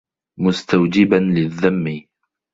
مُسْتَوْجِبًا لِلذَّمِّ